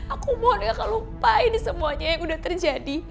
aku mohon kakak lupain semuanya yang udah terjadi